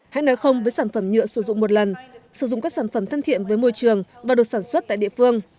hãy nói không với sản phẩm nhựa sử dụng một lần sử dụng các sản phẩm thân thiện với môi trường và được sản xuất tại địa phương